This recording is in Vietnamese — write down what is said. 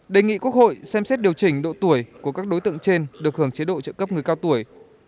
đề nghị quốc hội xem xét điều chỉnh độ tuổi của các đối tượng trên được hưởng chế độ trợ cấp người cao tuổi